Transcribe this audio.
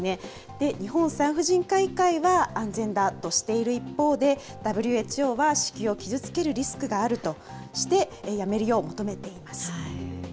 で、日本産婦人科医会は安全だとしている一方で、ＷＨＯは、子宮を傷つけるリスクがあるとして、やめるよう求めています。